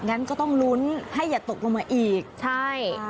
งั้นก็ต้องลุ้นให้อย่าตกลงมาอีกใช่